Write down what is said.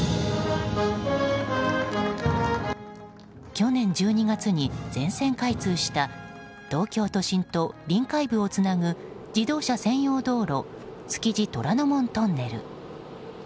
去年１２月に全線開通した東京都心と臨海部をつなぐ自動車専用道路築地虎ノ門トンネル。